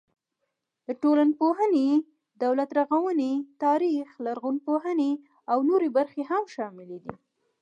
د ټولنپوهنې، دولت رغونې، تاریخ، لرغونپوهنې او نورې برخې هم شاملې دي.